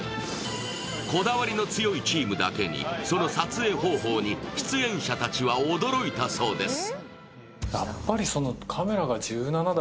こだわりの強いチームだけに、その撮影方法に主演者たちは驚いたそうです。